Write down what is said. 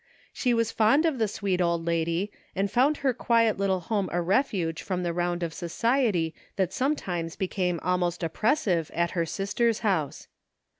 She was fond of the sweet old lady, and foimd her quiet little home a refuge from the round of society that some times became almost oppressive at her sister's house.